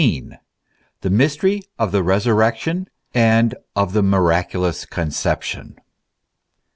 THE MYSTEEY OF THE RESUKRECTION AND OF THE MIRACULOUS CONCEPTION.